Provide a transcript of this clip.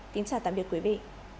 xin chào tạm biệt quý vị